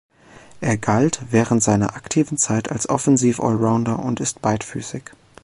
Er galt während seiner aktiven Zeit als Offensiv-Allrounder und ist beidfüßig.